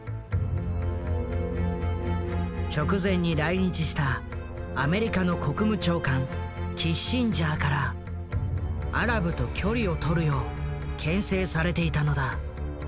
直前に来日したアメリカの国務長官キッシンジャーからアラブと距離をとるよう牽制されていたのだ。